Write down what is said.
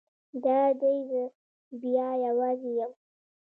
دا دی زه بیا یوازې یم.